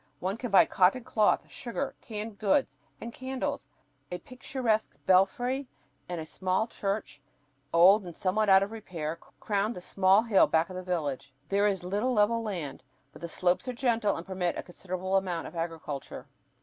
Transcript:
One can buy cotton cloth, sugar, canned goods and candles. A picturesque belfry and a small church, old and somewhat out of repair, crown the small hill back of the village. There is little level land, but the slopes are gentle, and permit a considerable amount of agriculture.